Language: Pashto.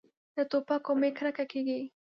له ټوپکو مې کرکه کېږي.